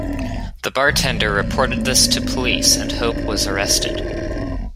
The bartender reported this to police and Hope was arrested.